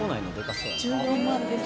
１４万です